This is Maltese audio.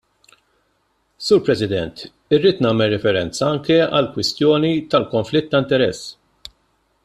Sur President, irrid nagħmel riferenza anke għall-kwestjoni ta' konflitt ta' interess.